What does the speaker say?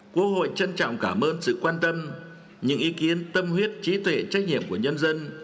quốc hội trân trọng cảm ơn sự quan tâm những ý kiến tâm huyết trí tuệ trách nhiệm của nhân dân